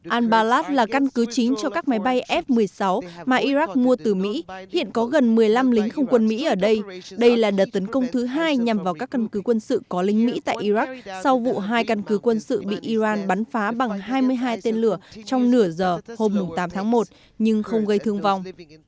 al balad là căn cứ chính cho các máy bay f một mươi sáu mà iraq mua từ mỹ hiện có gần một mươi năm lính không quân mỹ ở đây đây là đợt tấn công thứ hai nhằm vào các căn cứ quân sự có lính mỹ tại iraq sau vụ hai căn cứ quân sự bị iran bắn phá bằng hai mươi hai tên lửa trong nửa giờ hôm tám tháng một nhưng không gây thương vong